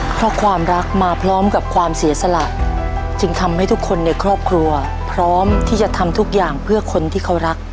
เพราะความรักมาพร้อมกับความเสียสละจึงทำให้ทุกคนในครอบครัวพร้อมที่จะทำทุกอย่างเพื่อคนที่เขารัก